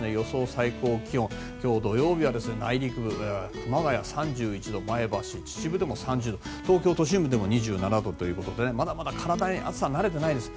最高気温今日土曜日は内陸、熊谷３１度前橋、秩父でも３０度東京都心部でも２７度ということでまだまだ体が暑さに慣れてないです。